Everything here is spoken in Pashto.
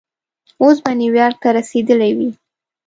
اوس به نیویارک ته رسېدلی وې.